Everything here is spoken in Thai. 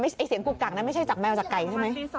เสียงกุกกักนะไม่ใช่จากแมวจากไก่ใช่ไหม